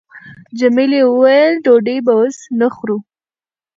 جميلې وويل:، ډوډۍ به اوس نه خورو.